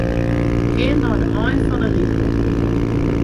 Gean nei de ein fan 'e rigel.